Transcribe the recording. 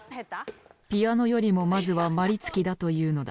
ピアノよりもまずはまりつきだというのだ。